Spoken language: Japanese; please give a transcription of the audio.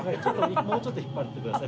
もうちょっと引っ張ってください。